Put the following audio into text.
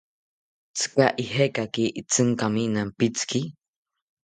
¿Tzika ijekaki itzinkami nampitziki?